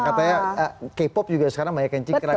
katanya k pop juga sekarang banyak yang cingkrak